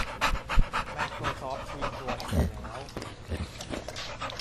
ไมโครซอฟท์ทีมรวนอีกแล้ว